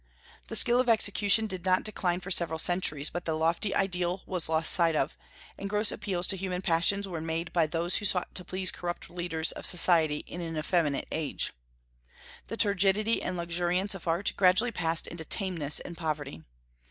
The skill of execution did not decline for several centuries; but the lofty ideal was lost sight of, and gross appeals to human passions were made by those who sought to please corrupt leaders of society in an effeminate age. The turgidity and luxuriance of art gradually passed into tameness and poverty.